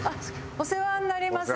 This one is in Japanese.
お世話になります。